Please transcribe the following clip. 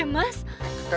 dia udah kasihan